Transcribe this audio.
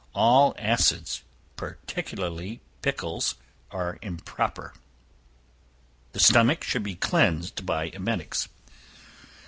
All acids, particularly pickles, are improper. The stomach should be cleansed by emetics.